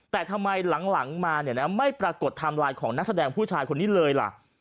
แต่ทำไมหลังมาเนี่ยนะไม่ปรากฏไทม์ไลน์ของนักแสดงผู้ชายคนนี้เลยล่ะ